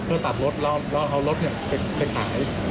เพื่อตัดรถแล้วเอารถไปขาย